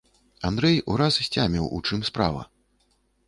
Андрэй ураз сцяміў, у чым справа.